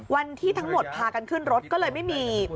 วันที่ทั้งหมดพากันขึ้นรถก็เลยไม่มี